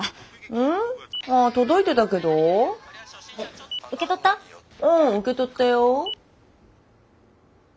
うん受け取ったよ。